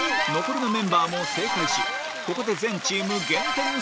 残りのメンバーも正解しここで全チーム減点